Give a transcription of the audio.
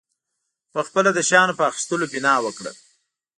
پخپله د شیانو په اخیستلو بنا وکړه.